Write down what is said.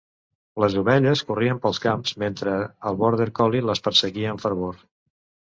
Les ovelles corrien pels camps mentre el border collie les perseguia amb fervor.